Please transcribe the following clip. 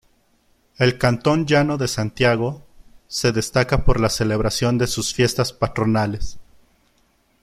El Cantón Llano de Santiago, se destaca por la celebración de sus Fiestas Patronales.